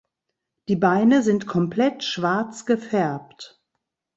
Die Beine sind komplett schwarz gefärbt.